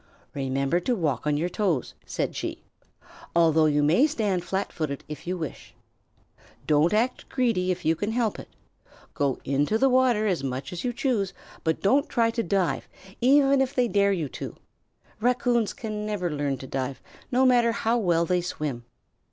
"Remember to walk on your toes," said she, "although you may stand flat footed if you wish. Don't act greedy if you can help it. Go into the water as much as you choose, but don't try to dive, even if they dare you to. Raccoons can never learn to dive, no matter how well they swim.